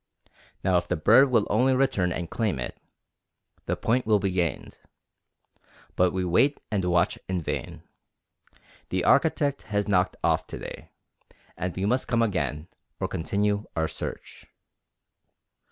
Now if the bird will only return and claim it, the point will be gained. But we wait and watch in vain. The architect has knocked off to day, and we must come again, or continue our search.